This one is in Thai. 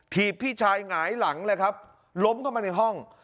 พี่ชายหงายหลังเลยครับล้มเข้ามาในห้อง